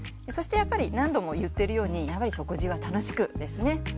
そしてやっぱり何度も言ってるように「食事は楽しく！」ですね。